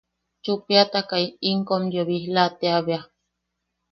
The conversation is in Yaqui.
Chupiatakai in kom yabisla tea bea.